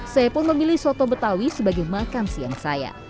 saya pun memilih soto betawi sebagai makan siang saya